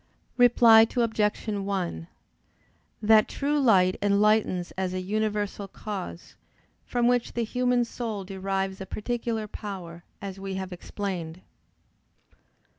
Reply Obj. 1: That true light enlightens as a universal cause, from which the human soul derives a particular power, as we have explained.